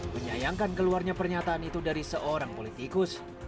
menyayangkan keluarnya pernyataan itu dari seorang politikus